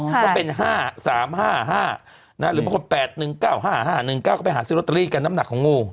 ก็เป็นห้าสามห้าห้าน่ะหรือบางคนแปดหนึ่งเก้าห้าห้าหนึ่งเก้าก็ไปหาซิลโรตรีกันน้ำหนักของงู